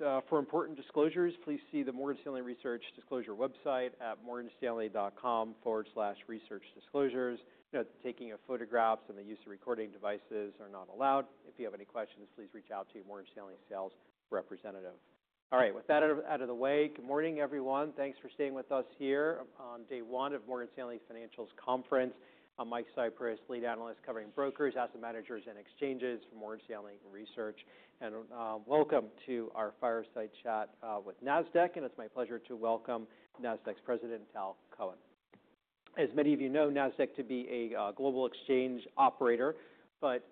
All right. For important disclosures, please see the Morgan Stanley Research Disclosure website at morganstanley.com/researchdisclosures. Note that taking photographs and the use of recording devices are not allowed. If you have any questions, please reach out to your Morgan Stanley sales representative. All right, with that out of the way, good morning, everyone. Thanks for staying with us here on day one of Morgan Stanley's financials conference. I'm Mike Cyprys, lead analyst covering brokers, asset managers, and exchanges for Morgan Stanley Research. Welcome to our fireside chat with Nasdaq. It's my pleasure to welcome Nasdaq's President, Tal Cohen. As many of you know, Nasdaq to be a global exchange operator.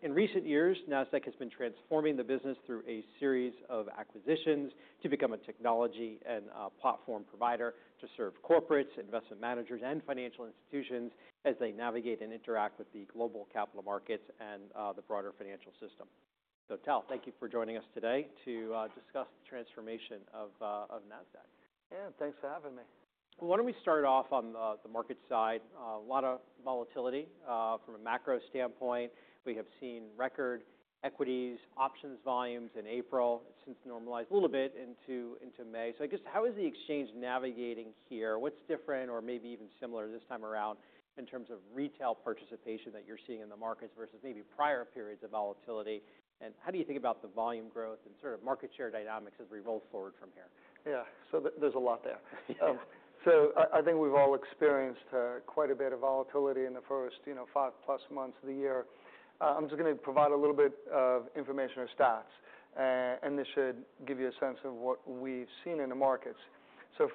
In recent years, Nasdaq has been transforming the business through a series of acquisitions to become a technology and platform provider to serve corporates, investment managers, and financial institutions as they navigate and interact with the global capital markets and the broader financial system. Tal, thank you for joining us today to discuss the transformation of Nasdaq. Yeah, thanks for having me. Why don't we start off on the market side? A lot of volatility, from a macro standpoint. We have seen record equities options volumes in April. It has since normalized a little bit into May. I guess, how is the exchange navigating here? What's different or maybe even similar this time around in terms of retail participation that you're seeing in the markets versus maybe prior periods of volatility? How do you think about the volume growth and sort of market share dynamics as we roll forward from here? Yeah, so there's a lot there. Yeah. I think we've all experienced quite a bit of volatility in the first, you know, five-plus months of the year. I'm just gonna provide a little bit of information or stats, and this should give you a sense of what we've seen in the markets.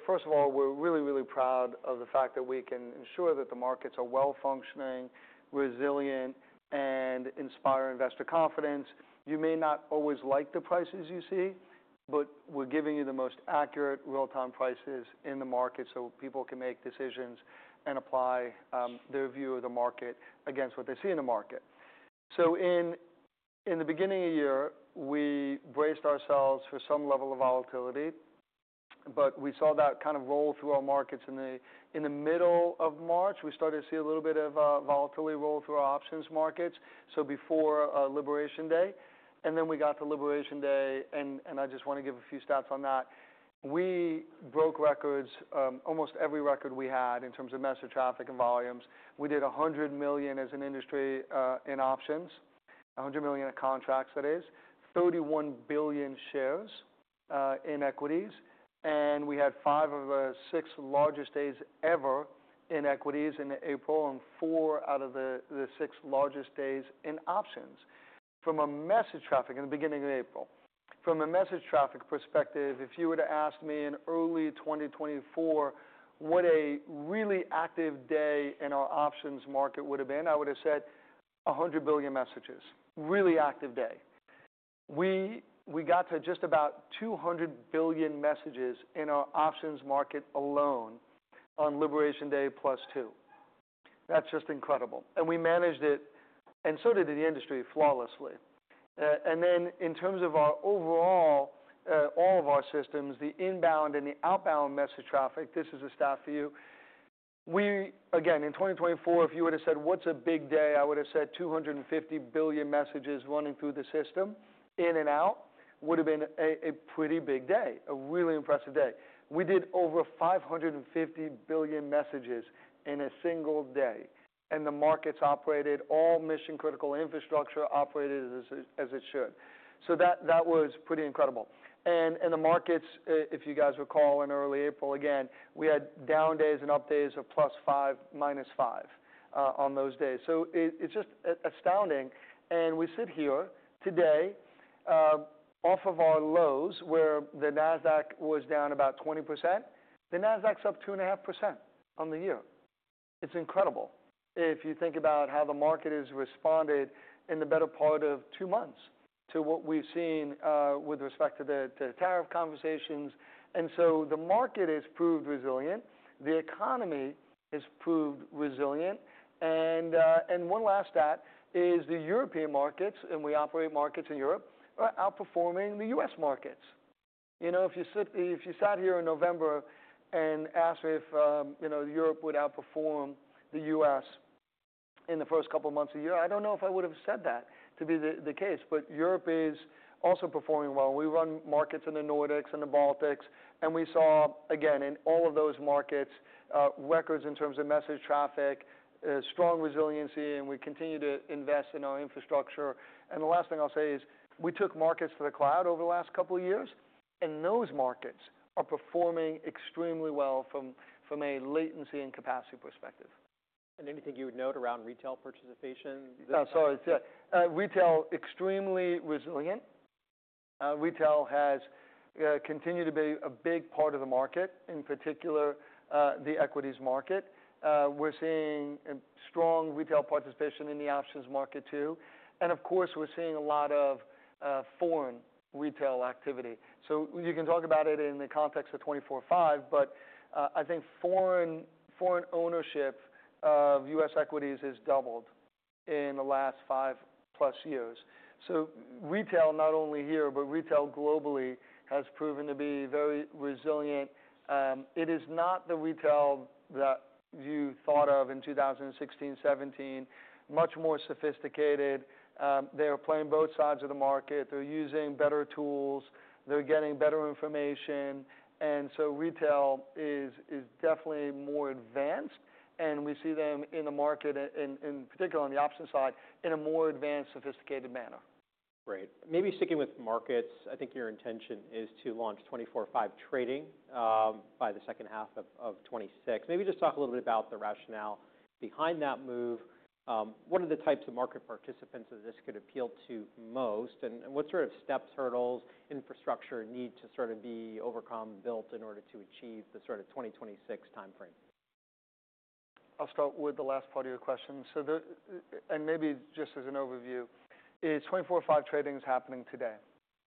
First of all, we're really, really proud of the fact that we can ensure that the markets are well-functioning, resilient, and inspire investor confidence. You may not always like the prices you see, but we're giving you the most accurate real-time prices in the market so people can make decisions and apply their view of the market against what they see in the market. In the beginning of the year, we braced ourselves for some level of volatility, but we saw that kind of roll through our markets. In the middle of March, we started to see a little bit of volatility roll through our options markets, before Liberation Day. We got to Liberation Day, and I just wanna give a few stats on that. We broke records, almost every record we had in terms of message traffic and volumes. We did 100 million as an industry in options, 100 million in contracts that is, 31 billion shares in equities. We had five of the six largest days ever in equities in April and four out of the six largest days in options. From a message traffic perspective in the beginning of April, if you were to ask me in early 2024 what a really active day in our options market would've been, I would've said 100 billion messages, really active day. We got to just about 200 billion messages in our options market alone on Liberation Day plus two. That's just incredible. We managed it, and so did the industry flawlessly. In terms of our overall, all of our systems, the inbound and the outbound message traffic, this is a stat for you. Again, in 2024, if you would've said, "What's a big day?" I would've said 250 billion messages running through the system in and out would've been a pretty big day, a really impressive day. We did over 550 billion messages in a single day, and the markets operated, all mission-critical infrastructure operated as it should. That was pretty incredible. The markets, if you guys recall in early April, again, we had down days and up days of plus five, minus five, on those days. It is just astounding. We sit here today, off of our lows where the Nasdaq was down about 20%, the Nasdaq is up 2.5% on the year. It is incredible if you think about how the market has responded in the better part of two months to what we have seen, with respect to the tariff conversations. The market has proved resilient, the economy has proved resilient. One last stat is the European markets, and we operate markets in Europe, are outperforming the U.S. markets. You know, if you sat here in November and asked me if, you know, Europe would outperform the U.S. in the first couple of months of the year, I do not know if I would have said that to be the case. Europe is also performing well. We run markets in the Nordics and the Baltics, and we saw, again, in all of those markets, records in terms of message traffic, strong resiliency, and we continue to invest in our infrastructure. The last thing I'll say is we took markets to the cloud over the last couple of years, and those markets are performing extremely well from a latency and capacity perspective. Anything you would note around retail participation? Sorry, yeah. Retail extremely resilient. Retail has continued to be a big part of the market, in particular, the equities market. We're seeing a strong retail participation in the options market too. Of course, we're seeing a lot of foreign retail activity. You can talk about it in the context of 24/5, but I think foreign ownership of U.S. equities has doubled in the last five-plus years. Retail, not only here, but retail globally has proven to be very resilient. It is not the retail that you thought of in 2016, 2017, much more sophisticated. They are playing both sides of the market. They're using better tools. They're getting better information. Retail is definitely more advanced, and we see them in the market, in particular on the options side in a more advanced, sophisticated manner. Great. Maybe sticking with markets, I think your intention is to launch 24/5 trading by the second half of 2026. Maybe just talk a little bit about the rationale behind that move. What are the types of market participants that this could appeal to most, and what sort of steps, hurdles, infrastructure need to sort of be overcome, built in order to achieve the sort of 2026 timeframe? I'll start with the last part of your question. The, and maybe just as an overview, is 24/5 trading's happening today,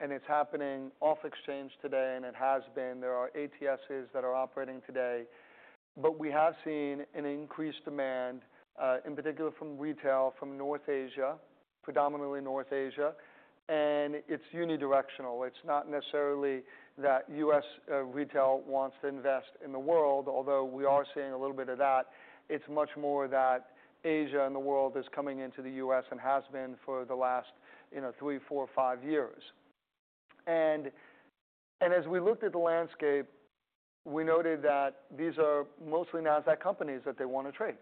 and it's happening off exchange today, and it has been. There are ATSs that are operating today. We have seen an increased demand, in particular from retail, from North Asia, predominantly North Asia. It's unidirectional. It's not necessarily that U.S. retail wants to invest in the world, although we are seeing a little bit of that. It's much more that Asia and the world is coming into the U.S. and has been for the last three, four, five years. As we looked at the landscape, we noted that these are mostly Nasdaq companies that they want to trade.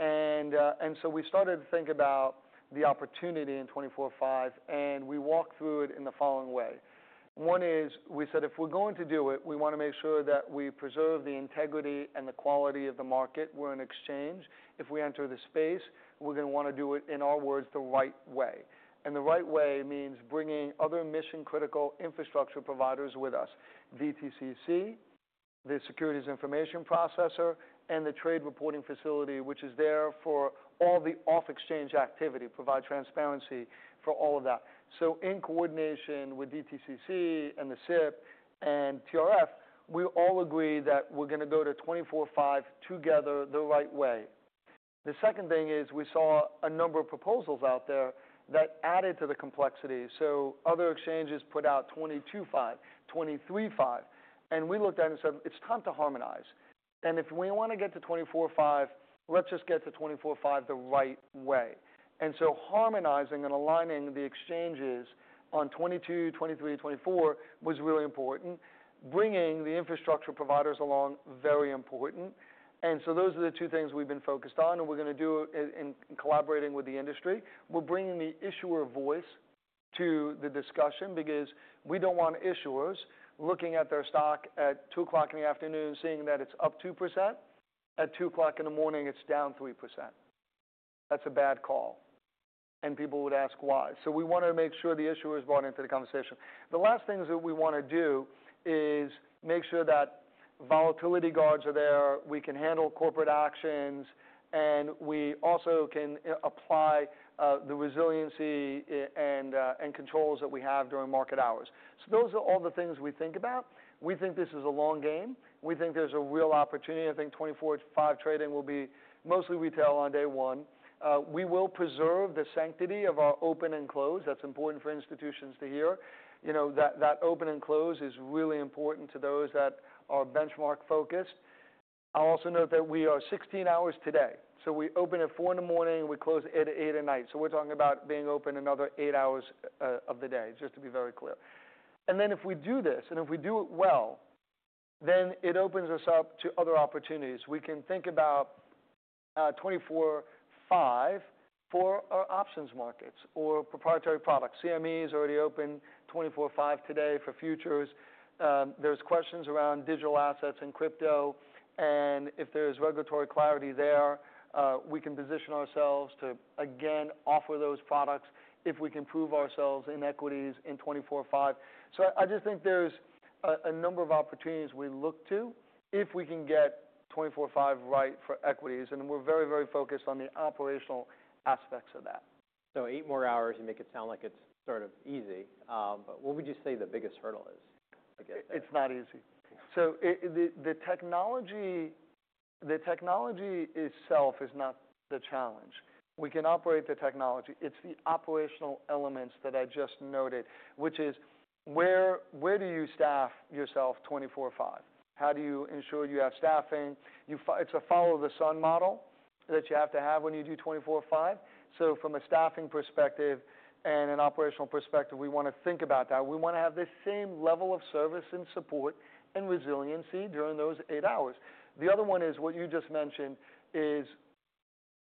We started to think about the opportunity in 24/5, and we walked through it in the following way. One is we said if we're going to do it, we wanna make sure that we preserve the integrity and the quality of the market. We're an exchange. If we enter the space, we're gonna wanna do it, in our words, the right way. The right way means bringing other mission-critical infrastructure providers with us: DTCC, the Securities Information Processor, and the Trade Reporting Facility, which is there for all the off-exchange activity, provide transparency for all of that. In coordination with DTCC and the SIP and TRF, we all agree that we're gonna go to 24/5 together the right way. The second thing is we saw a number of proposals out there that added to the complexity. Other exchanges put out 22/5, 23/5. We looked at it and said, "It's time to harmonize." If we wanna get to 24/5, let's just get to 24/5 the right way. Harmonizing and aligning the exchanges on 22, 23, 24 was really important. Bringing the infrastructure providers along, very important. Those are the two things we've been focused on, and we're gonna do it in, in collaborating with the industry. We're bringing the issuer voice to the discussion because we don't want issuers looking at their stock at 2:00 P.M. seeing that it's up 2%. At 2:00 A.M., it's down 3%. That's a bad call. People would ask why. We wanna make sure the issuer's brought into the conversation. The last things that we wanna do is make sure that volatility guards are there, we can handle corporate actions, and we also can apply the resiliency and controls that we have during market hours. Those are all the things we think about. We think this is a long game. We think there is a real opportunity. I think 24/5 trading will be mostly retail on day one. We will preserve the sanctity of our open and close. That is important for institutions to hear. You know, that open and close is really important to those that are benchmark-focused. I will also note that we are 16 hours today. We open at 4:00 A.M., and we close 8:00 to 8:00 at night. We are talking about being open another eight hours of the day, just to be very clear. If we do this, and if we do it well, then it opens us up to other opportunities. We can think about 24/5 for our options markets or proprietary products. CME is already open 24/5 today for futures. There are questions around digital assets and crypto. If there is regulatory clarity there, we can position ourselves to, again, offer those products if we can prove ourselves in equities in 24/5. I just think there are a number of opportunities we look to if we can get 24/5 right for equities. We are very, very focused on the operational aspects of that. Eight more hours and make it sound like it's sort of easy. What would you say the biggest hurdle is to get there? It's not easy. The technology itself is not the challenge. We can operate the technology. It's the operational elements that I just noted, which is where do you staff yourself 24/5? How do you ensure you have staffing? It's a follow-the-sun model that you have to have when you do 24/5. From a staffing perspective and an operational perspective, we wanna think about that. We wanna have the same level of service and support and resiliency during those eight hours. The other one is what you just mentioned is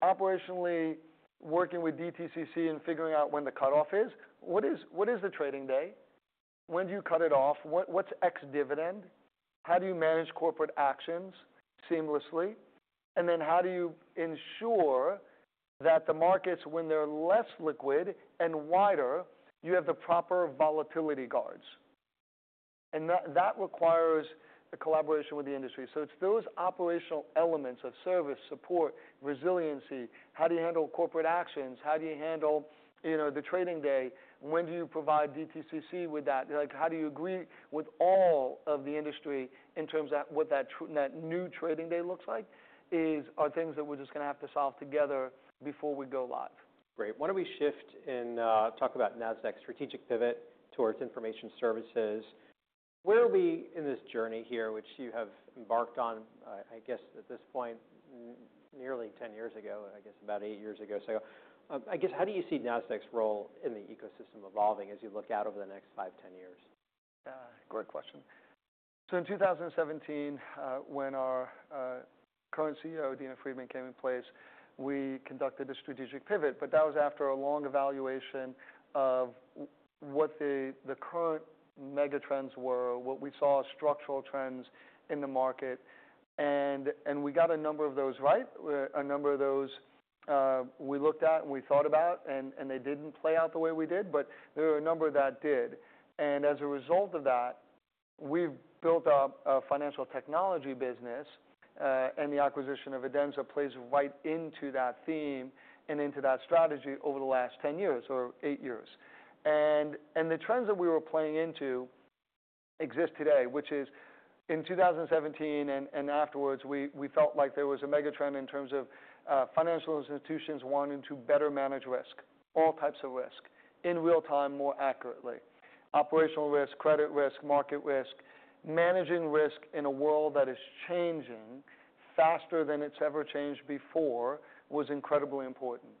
operationally working with VTCC and figuring out when the cutoff is. What is the trading day? When do you cut it off? What's X dividend? How do you manage corporate actions seamlessly? How do you ensure that the markets, when they're less liquid and wider, you have the proper volatility guards? That requires the collaboration with the industry. It is those operational elements of service, support, resiliency. How do you handle corporate actions? How do you handle, you know, the trading day? When do you provide VTCC with that? Like, how do you agree with all of the industry in terms of what that new trading day looks like are things that we're just gonna have to solve together before we go live. Great. Why don't we shift and talk about Nasdaq's strategic pivot towards information services? Where are we in this journey here, which you have embarked on, I guess at this point, nearly 10 years ago, I guess about 8 years ago? I guess how do you see Nasdaq's role in the ecosystem evolving as you look out over the next 5, 10 years? Great question. In 2017, when our current CEO, Adena Friedman, came in place, we conducted a strategic pivot. That was after a long evaluation of what the current megatrends were, what we saw as structural trends in the market. We got a number of those right, a number of those we looked at and we thought about, and they did not play out the way we did, but there were a number that did. As a result of that, we have built up a financial technology business, and the acquisition of Adenza plays right into that theme and into that strategy over the last 10 years or 8 years. The trends that we were playing into exist today, which is in 2017 and afterwards, we felt like there was a megatrend in terms of financial institutions wanting to better manage risk, all types of risk in real time more accurately. Operational risk, credit risk, market risk, managing risk in a world that is changing faster than it has ever changed before was incredibly important.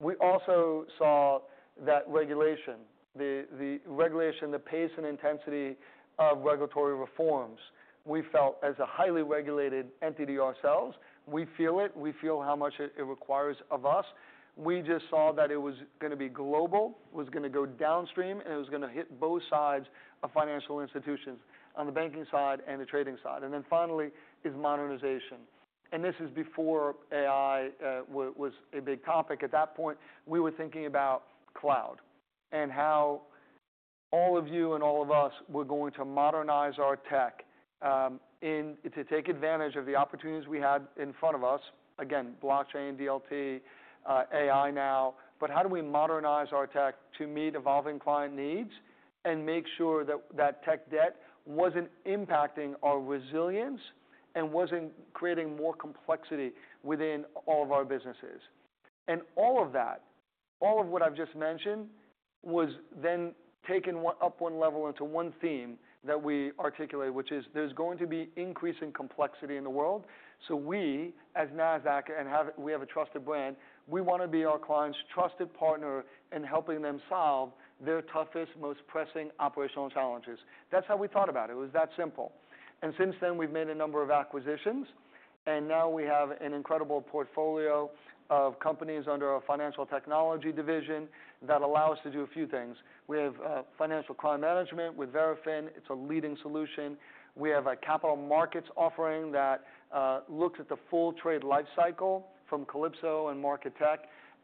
We also saw that regulation, the regulation, the pace and intensity of regulatory reforms, we felt as a highly regulated entity ourselves, we feel it, we feel how much it requires of us. We just saw that it was going to be global, was going to go downstream, and it was going to hit both sides of financial institutions, on the banking side and the trading side. Finally, modernization. This is before AI was a big topic. At that point, we were thinking about cloud and how all of you and all of us were going to modernize our tech, to take advantage of the opportunities we had in front of us. Again, blockchain, DLT, AI now. How do we modernize our tech to meet evolving client needs and make sure that that tech debt was not impacting our resilience and was not creating more complexity within all of our businesses? All of that, all of what I have just mentioned was then taken up one level into one theme that we articulated, which is there is going to be increasing complexity in the world. We as Nasdaq have a trusted brand. We want to be our clients' trusted partner in helping them solve their toughest, most pressing operational challenges. That is how we thought about it. It was that simple. Since then, we've made a number of acquisitions, and now we have an incredible portfolio of companies under our financial technology division that allow us to do a few things. We have financial crime management with Verafin. It's a leading solution. We have a capital markets offering that looks at the full trade lifecycle from Calypso and Marketech.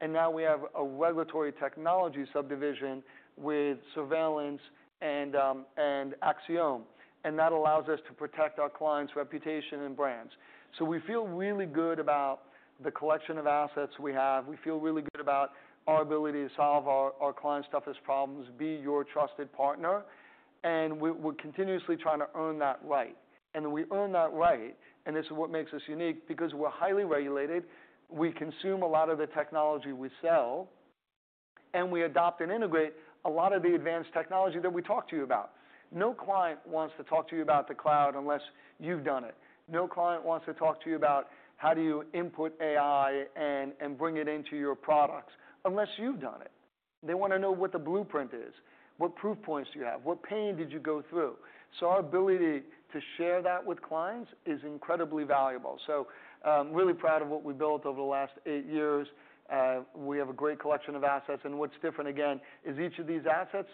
Now we have a regulatory technology subdivision with surveillance and Axiom. That allows us to protect our clients' reputation and brands. We feel really good about the collection of assets we have. We feel really good about our ability to solve our clients' toughest problems, be your trusted partner. We're continuously trying to earn that right. We earn that right, and this is what makes us unique because we're highly regulated. We consume a lot of the technology we sell, and we adopt and integrate a lot of the advanced technology that we talk to you about. No client wants to talk to you about the cloud unless you've done it. No client wants to talk to you about how do you input AI and, and bring it into your products unless you've done it. They want to know what the blueprint is, what proof points do you have, what pain did you go through. Our ability to share that with clients is incredibly valuable. I am really proud of what we built over the last eight years. We have a great collection of assets. What is different, again, is each of these assets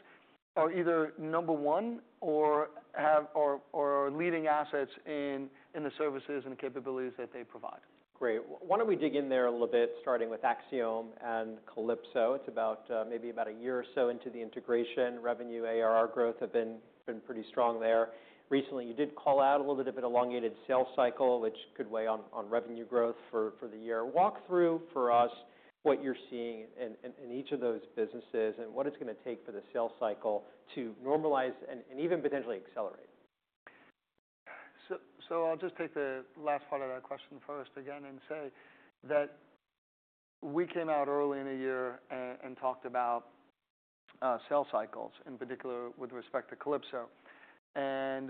are either number one or are leading assets in the services and the capabilities that they provide. Great. Why do not we dig in there a little bit, starting with Axiom and Calypso? It is about, maybe about a year or so into the integration. Revenue, ARR growth have been pretty strong there. Recently, you did call out a little bit of an elongated sales cycle, which could weigh on revenue growth for the year. Walk through for us what you are seeing in each of those businesses and what it is gonna take for the sales cycle to normalize and even potentially accelerate. I'll just take the last part of that question first again and say that we came out early in the year and talked about sales cycles in particular with respect to Calypso.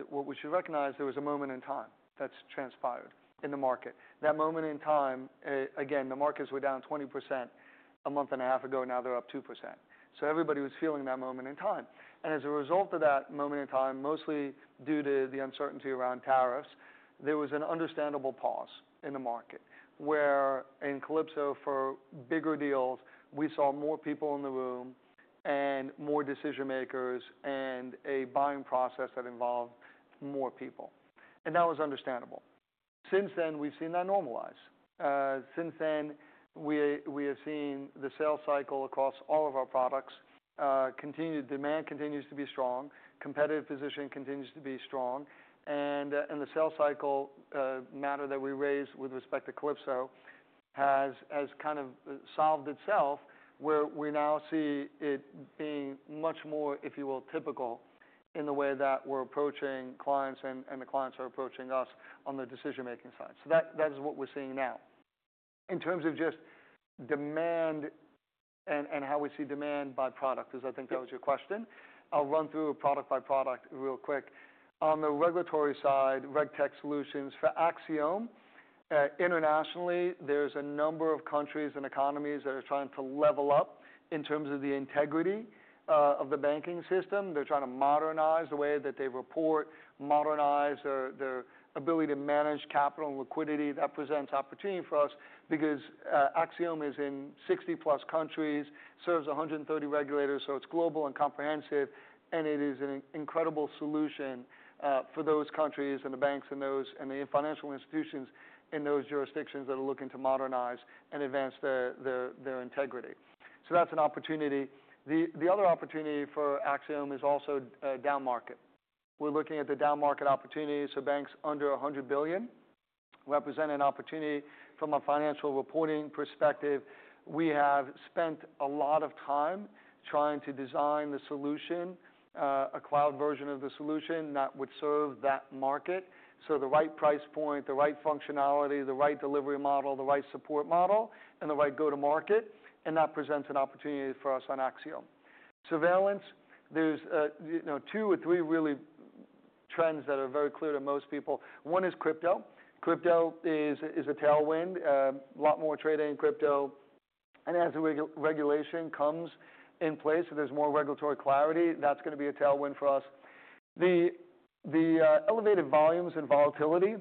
What we should recognize, there was a moment in time that's transpired in the market. That moment in time, again, the markets were down 20% a month and a half ago. Now they're up 2%. Everybody was feeling that moment in time. As a result of that moment in time, mostly due to the uncertainty around tariffs, there was an understandable pause in the market where, in Calypso, for bigger deals, we saw more people in the room and more decision-makers and a buying process that involved more people. That was understandable. Since then, we've seen that normalize. Since then, we have seen the sales cycle across all of our products, continued demand continues to be strong, competitive position continues to be strong. The sales cycle matter that we raised with respect to Calypso has kind of solved itself where we now see it being much more, if you will, typical in the way that we're approaching clients and the clients are approaching us on the decision-making side. That is what we're seeing now in terms of just demand and how we see demand by product 'cause I think that was your question. I'll run through a product-by-product real quick. On the regulatory side, RegTech Solutions for Axiom, internationally, there's a number of countries and economies that are trying to level up in terms of the integrity of the banking system. They're trying to modernize the way that they report, modernize their ability to manage capital and liquidity. That presents opportunity for us because Axiom is in 60-plus countries, serves 130 regulators. It is global and comprehensive, and it is an incredible solution for those countries and the banks and the financial institutions in those jurisdictions that are looking to modernize and advance their integrity. That is an opportunity. The other opportunity for Axiom is also down market. We're looking at the down market opportunity. Banks under $100 billion represent an opportunity from a financial reporting perspective. We have spent a lot of time trying to design the solution, a cloud version of the solution that would serve that market. The right price point, the right functionality, the right delivery model, the right support model, and the right go-to-market. That presents an opportunity for us on Axiom. Surveillance, there are, you know, two or three really trends that are very clear to most people. One is crypto. Crypto is a tailwind, a lot more trading in crypto. As the regulation comes in place, there is more regulatory clarity. That is gonna be a tailwind for us. The elevated volumes and volatility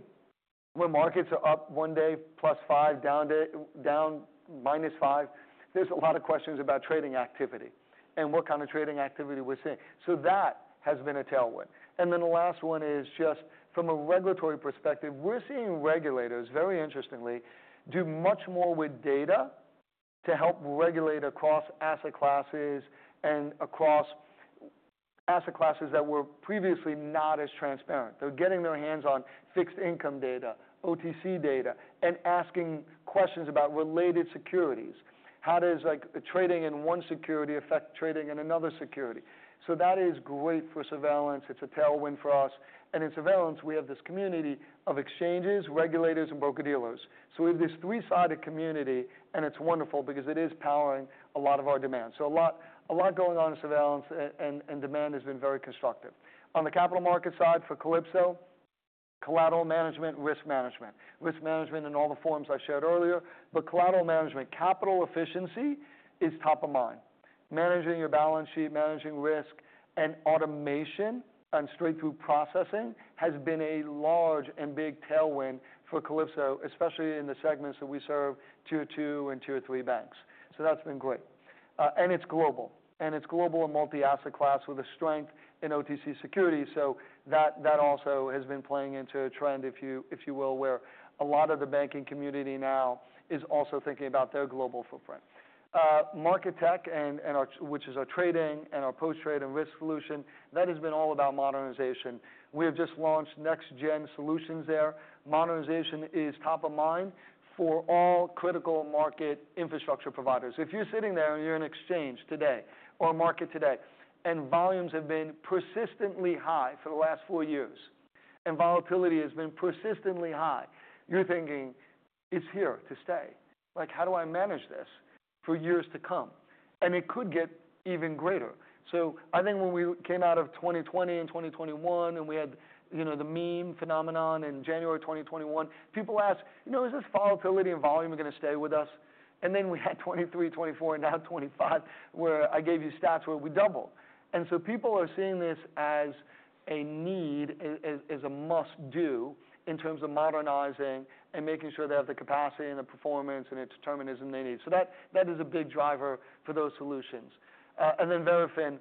when markets are up one day plus five, down day, down minus five, there are a lot of questions about trading activity and what kind of trading activity we are seeing. That has been a tailwind. The last one is just from a regulatory perspective, we are seeing regulators, very interestingly, do much more with data to help regulate across asset classes and across asset classes that were previously not as transparent. They're getting their hands on fixed income data, OTC data, and asking questions about related securities. How does, like, trading in one security affect trading in another security? That is great for surveillance. It's a tailwind for us. In surveillance, we have this community of exchanges, regulators, and broker-dealers. We have this three-sided community, and it's wonderful because it is powering a lot of our demand. A lot going on in surveillance, and demand has been very constructive. On the capital market side for Calypso, collateral management, risk management, risk management in all the forms I shared earlier. Collateral management, capital efficiency is top of mind. Managing your balance sheet, managing risk, and automation and straight-through processing has been a large and big tailwind for Calypso, especially in the segments that we serve, tier two and tier three banks. That's been great, and it's global. It's global and multi-asset class with a strength in OTC security. That also has been playing into a trend, if you will, where a lot of the banking community now is also thinking about their global footprint. Marketech, which is our trading and our post-trade and risk solution, has been all about modernization. We have just launched next-gen solutions there. Modernization is top of mind for all critical market infrastructure providers. If you're sitting there and you're in exchange today or market today and volumes have been persistently high for the last four years and volatility has been persistently high, you're thinking, "It's here to stay. Like, how do I manage this for years to come?" It could get even greater. I think when we came out of 2020 and 2021 and we had, you know, the meme phenomenon in January 2021, people asked, "You know, is this volatility and volume gonna stay with us?" Then we had 2023, 2024, and now 2025 where I gave you stats where we doubled. People are seeing this as a need, as a must-do in terms of modernizing and making sure they have the capacity and the performance and the determinism they need. That is a big driver for those solutions. Then Verafin,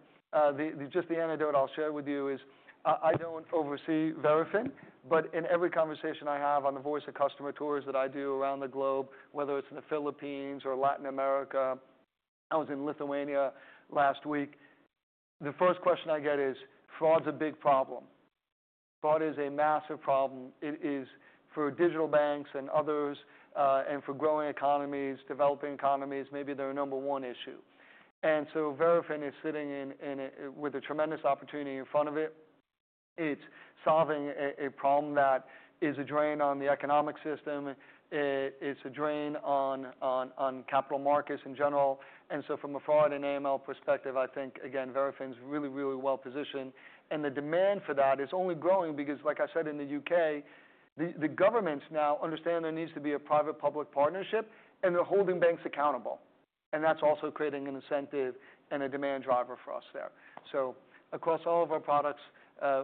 just the anecdote I'll share with you is, I don't oversee Verafin, but in every conversation I have on the voice of customer tours that I do around the globe, whether it's in the Philippines or Latin America, I was in Lithuania last week. The first question I get is, "Fraud's a big problem. Fraud is a massive problem. It is for digital banks and others, and for growing economies, developing economies, maybe their number one issue." Verafin is sitting with a tremendous opportunity in front of it. It's solving a problem that is a drain on the economic system. It's a drain on capital markets in general. From a fraud and AML perspective, I think, again, Verafin's really, really well-positioned. The demand for that is only growing because, like I said, in the U.K., the governments now understand there needs to be a private-public partnership, and they're holding banks accountable. That's also creating an incentive and a demand driver for us there. Across all of our products,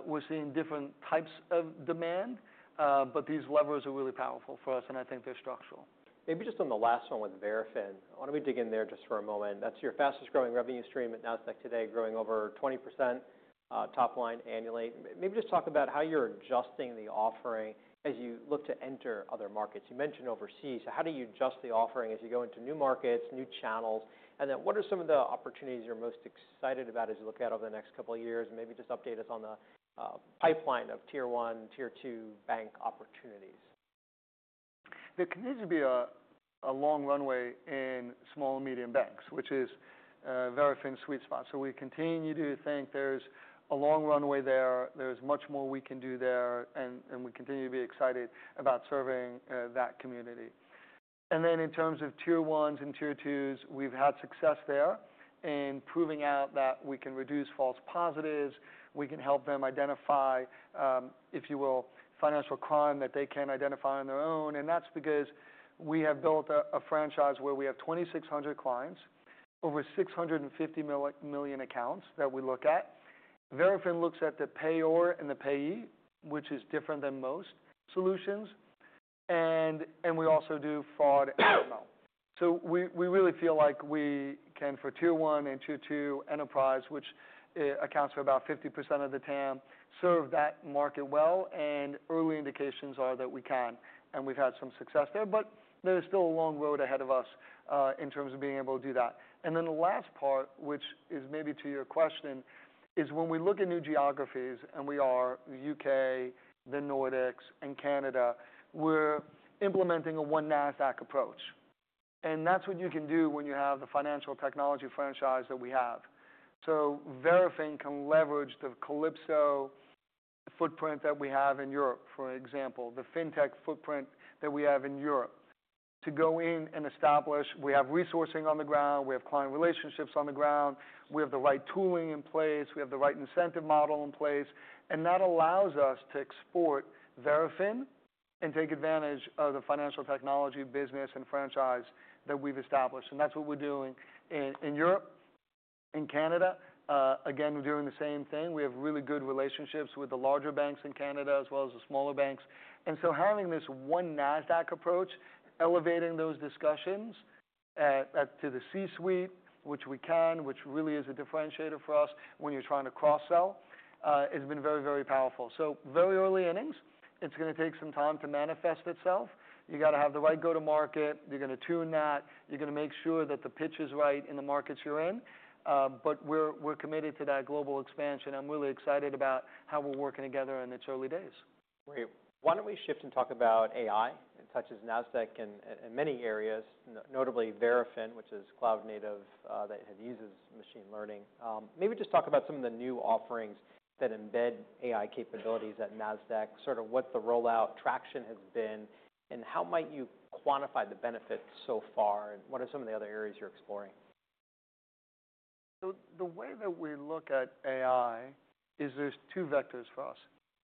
we're seeing different types of demand, but these levers are really powerful for us, and I think they're structural. Maybe just on the last one with Verafin, why don't we dig in there just for a moment? That's your fastest-growing revenue stream at Nasdaq today, growing over 20% top line annually. Maybe just talk about how you're adjusting the offering as you look to enter other markets. You mentioned overseas. How do you adjust the offering as you go into new markets, new channels? What are some of the opportunities you're most excited about as you look ahead over the next couple of years? Maybe just update us on the pipeline of tier one, tier two bank opportunities. There continues to be a long runway in small and medium banks, which is Verafin's sweet spot. We continue to think there's a long runway there. There's much more we can do there, and we continue to be excited about serving that community. In terms of tier ones and tier twos, we've had success there in proving out that we can reduce false positives. We can help them identify, if you will, financial crime that they can't identify on their own. That's because we have built a franchise where we have 2,600 clients, over 650 million accounts that we look at. Verafin looks at the payor and the payee, which is different than most solutions. We also do fraud AML. We really feel like we can, for tier one and tier two enterprise, which accounts for about 50% of the TAM, serve that market well. Early indications are that we can, and we've had some success there. There is still a long road ahead of us, in terms of being able to do that. The last part, which is maybe to your question, is when we look at new geographies, and we are the U.K., the Nordics, and Canada, we're implementing a One Nasdaq approach. That is what you can do when you have the financial technology franchise that we have. Verafin can leverage the Calypso footprint that we have in Europe, for example, the FinTech footprint that we have in Europe, to go in and establish. We have resourcing on the ground. We have client relationships on the ground. We have the right tooling in place. We have the right incentive model in place. That allows us to export Verafin and take advantage of the financial technology business and franchise that we've established. That's what we're doing in Europe, in Canada. Again, we're doing the same thing. We have really good relationships with the larger banks in Canada as well as the smaller banks. Having this One Nasdaq approach, elevating those discussions to the C-suite, which we can, which really is a differentiator for us when you're trying to cross-sell, has been very, very powerful. Very early innings. It's gonna take some time to manifest itself. You gotta have the right go-to-market. You're gonna tune that. You're gonna make sure that the pitch is right in the markets you're in. We're committed to that global expansion. I'm really excited about how we're working together in its early days. Great. Why don't we shift and talk about AI? It touches Nasdaq in many areas, notably Verafin, which is cloud-native, that uses machine learning. Maybe just talk about some of the new offerings that embed AI capabilities at Nasdaq, sort of what the rollout traction has been, and how might you quantify the benefits so far, and what are some of the other areas you're exploring? The way that we look at AI is there's two vectors for us: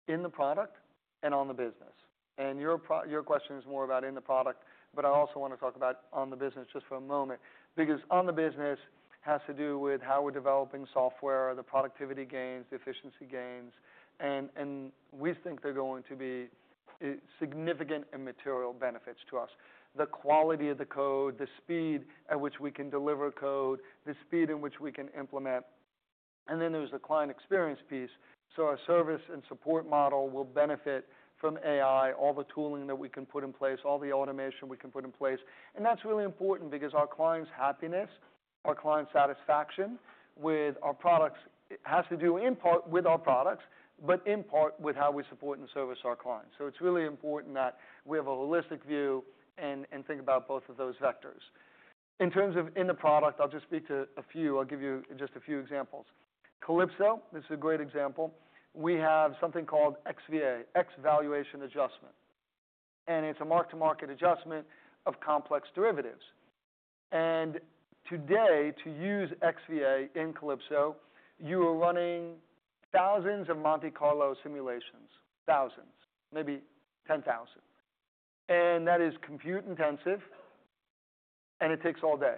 in the product and on the business. Your question is more about in the product, but I also want to talk about on the business just for a moment because on the business has to do with how we're developing software, the productivity gains, the efficiency gains. We think they're going to be significant and material benefits to us: the quality of the code, the speed at which we can deliver code, the speed in which we can implement. Then there's the client experience piece. Our service and support model will benefit from AI, all the tooling that we can put in place, all the automation we can put in place. That is really important because our client's happiness, our client satisfaction with our products has to do in part with our products but in part with how we support and service our clients. It is really important that we have a holistic view and think about both of those vectors. In terms of in the product, I will just speak to a few. I will give you just a few examples. Calypso, this is a great example. We have something called XVA, X-Valuation Adjustment. It is a mark-to-market adjustment of complex derivatives. Today, to use XVA in Calypso, you are running thousands of Monte Carlo simulations, thousands, maybe 10,000. That is compute-intensive, and it takes all day.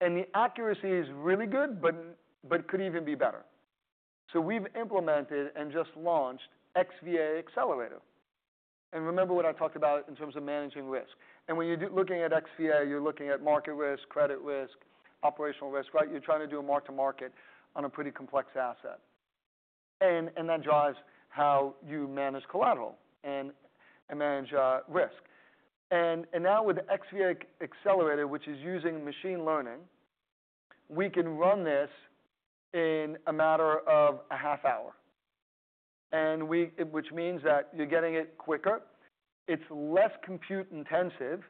The accuracy is really good but could even be better. We have implemented and just launched XVA Accelerator. Remember what I talked about in terms of managing risk. When you're looking at XVA, you're looking at market risk, credit risk, operational risk, right? You're trying to do a mark-to-market on a pretty complex asset. That drives how you manage collateral and manage risk. Now with XVA Accelerator, which is using machine learning, we can run this in a matter of a half hour, which means that you're getting it quicker. It's less compute-intensive,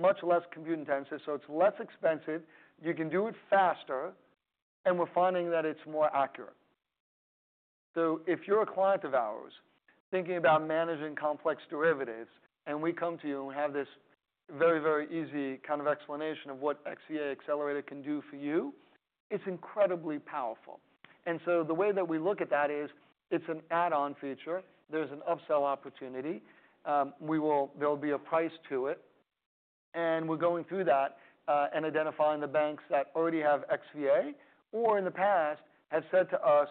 much less compute-intensive, so it's less expensive. You can do it faster, and we're finding that it's more accurate. If you're a client of ours thinking about managing complex derivatives, and we come to you and have this very, very easy kind of explanation of what XVA Accelerator can do for you, it's incredibly powerful. The way that we look at that is it's an add-on feature. There's an upsell opportunity. We will, there'll be a price to it. And we're going through that and identifying the banks that already have XVA or in the past have said to us,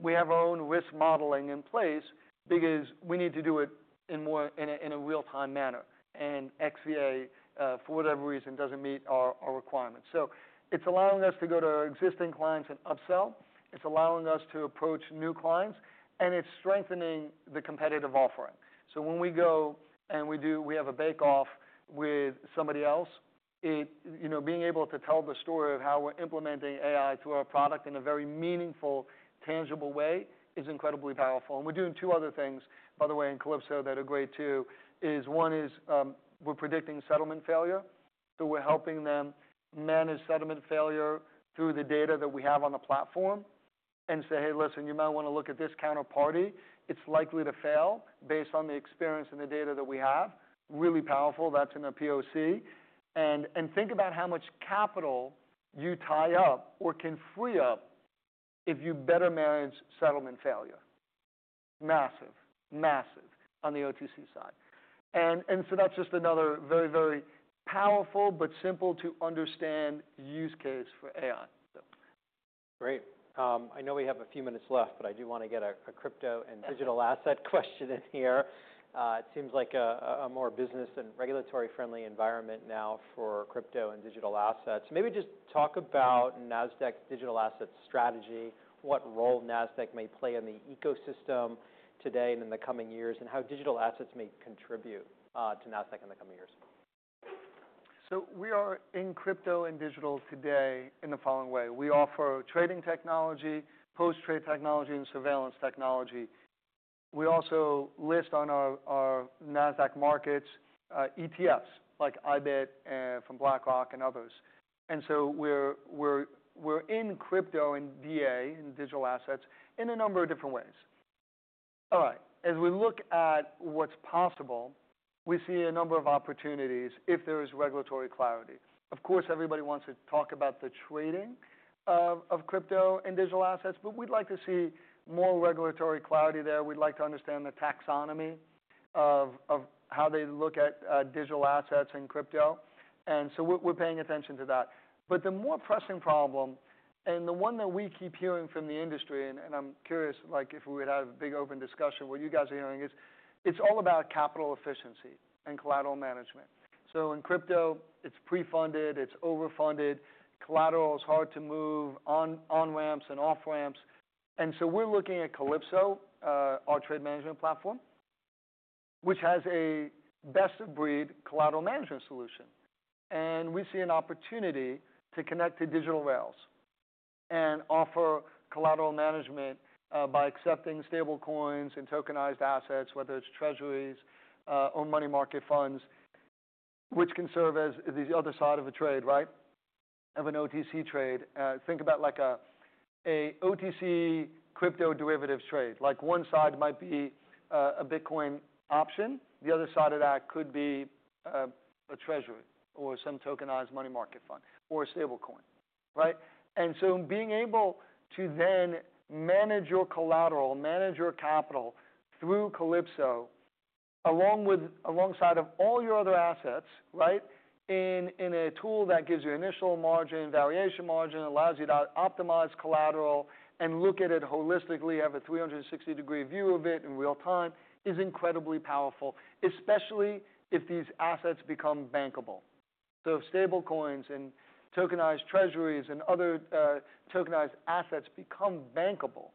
"We have our own risk modeling in place because we need to do it in more, in a, in a real-time manner." And XVA, for whatever reason, doesn't meet our requirements. So it's allowing us to go to our existing clients and upsell. It's allowing us to approach new clients, and it's strengthening the competitive offering. When we go and we do, we have a bake-off with somebody else, you know, being able to tell the story of how we're implementing AI through our product in a very meaningful, tangible way is incredibly powerful. We're doing two other things, by the way, in Calypso that are great too. One is, we're predicting settlement failure. We're helping them manage settlement failure through the data that we have on the platform and say, "Hey, listen, you might wanna look at this counterparty. It's likely to fail based on the experience and the data that we have." Really powerful. That's in a POC. And think about how much capital you tie up or can free up if you better manage settlement failure. Massive, massive on the OTC side. And so that's just another very, very powerful but simple-to-understand use case for AI. Great. I know we have a few minutes left, but I do wanna get a crypto and digital asset question in here. It seems like a more business and regulatory-friendly environment now for crypto and digital assets. Maybe just talk about Nasdaq's digital assets strategy, what role Nasdaq may play in the ecosystem today and in the coming years, and how digital assets may contribute to Nasdaq in the coming years. We are in crypto and digital today in the following way. We offer trading technology, post-trade technology, and surveillance technology. We also list on our Nasdaq markets, ETFs like iBIT, from BlackRock and others. We are in crypto and digital assets in a number of different ways. As we look at what's possible, we see a number of opportunities if there is regulatory clarity. Of course, everybody wants to talk about the trading of crypto and digital assets, but we'd like to see more regulatory clarity there. We'd like to understand the taxonomy of how they look at digital assets and crypto. We are paying attention to that. The more pressing problem and the one that we keep hearing from the industry, and I'm curious, like, if we would have a big open discussion, what you guys are hearing is it's all about capital efficiency and collateral management. In crypto, it's pre-funded, it's over-funded. Collateral is hard to move on, on ramps and off ramps. We're looking at Calypso, our trade management platform, which has a best-of-breed collateral management solution. We see an opportunity to connect to digital rails and offer collateral management by accepting stablecoins and tokenized assets, whether it's treasuries or money market funds, which can serve as the other side of a trade, right, of an OTC trade. Think about like a, a OTC crypto derivatives trade. Like, one side might be a Bitcoin option. The other side of that could be a treasury or some tokenized money market fund or a stablecoin, right? Being able to then manage your collateral, manage your capital through Calypso, alongside all your other assets, in a tool that gives you initial margin, variation margin, allows you to optimize collateral and look at it holistically, have a 360-degree view of it in real time, is incredibly powerful, especially if these assets become bankable. If stablecoins and tokenized treasuries and other tokenized assets become bankable,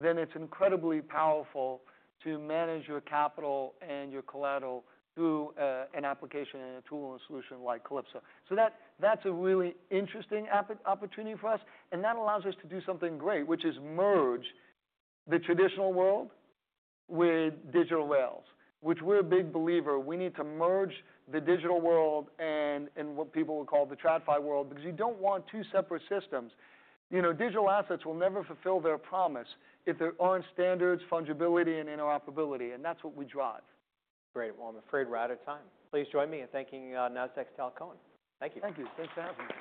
then it is incredibly powerful to manage your capital and your collateral through an application and a tool and solution like Calypso. That is a really interesting app opportunity for us. That allows us to do something great, which is merge the traditional world with digital rails, which we are a big believer. We need to merge the digital world and what people will call the TradFi world because you do not want two separate systems. You know, digital assets will never fulfill their promise if there are not standards, fungibility, and interoperability. And that is what we drive. Great. I'm afraid we're out of time. Please join me in thanking Nasdaq's Tal Cohen. Thank you. Thank you. Thanks for having me.